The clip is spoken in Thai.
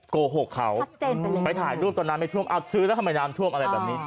โกหกเขาไปถ่ายรูปตอนนั้นไม่ท่วมเอาซื้อแล้วทำไมน้ำท่วมอะไรแบบนี้